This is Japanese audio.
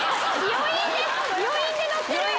余韻で乗ってる。